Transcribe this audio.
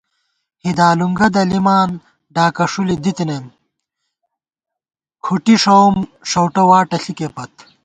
ہِدالُونگہ دَلِمان ڈاکہ ݭُلے دِتَنَئیم، کھٹی ݭَؤم ݭؤٹہ واٹہ ݪِکےپت